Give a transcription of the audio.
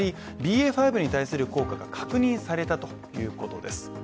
ＢＡ．５に対する効果が確認されたということです